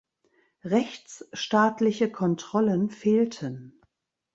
Rechtsstaatliche Kontrollen fehlten.